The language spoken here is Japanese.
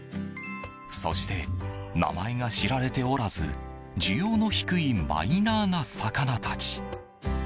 そして、名前が知られておらず需要の低いマイナーな魚たち。